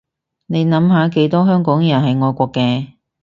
你諗下幾多香港人係愛國嘅